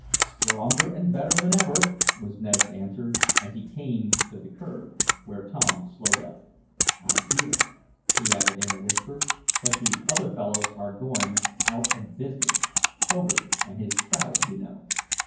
"Stronger and better than ever," was Ned's answer, as he came to the curb, where Tom slowed up. "I hear," he added in a whisper, "that the other fellows are going out of business Foger and his crowd you know.